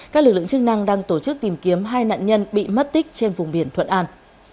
các lực lượng chức năng đang tổ chức tìm kiếm hai nạn nhân bị mất tích trên vùng biển thuận an